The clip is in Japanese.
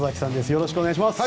よろしくお願いします。